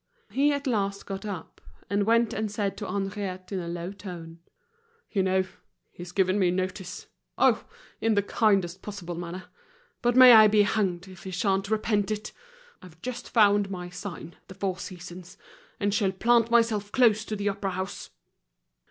He at last got up, and went and said to Henriette in a low tone: "You know, he's given me notice; oh! in the kindest possible manner. But may I be hanged if he sha'n't repent it! I've just found my sign, The Four Seasons, and shall plant myself close to the Opera House!"